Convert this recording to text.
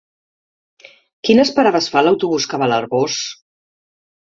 Quines parades fa l'autobús que va a l'Arboç?